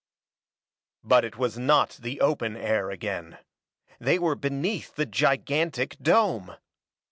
But it was not the open air again. They were beneath the gigantic dome!